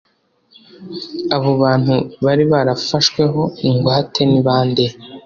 abo bantu bari barafashweho ingwate nibande